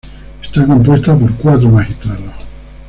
Está compuesta por cuatro magistrados.